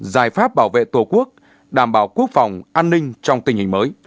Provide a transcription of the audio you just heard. giải pháp bảo vệ tổ quốc đảm bảo quốc phòng an ninh trong tình hình mới